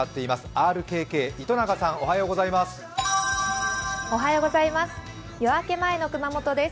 ＲＫＫ・糸永さんおはようございます。